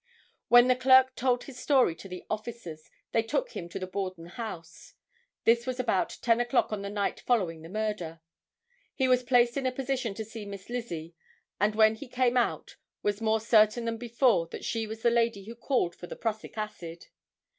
When the clerk told his story to the officers they took him to the Borden house. This was about 10 o'clock on the night following the murder. He was placed in a position to see Miss Lizzie and when he came out was more certain than before that she was the lady who called for the prussic acid.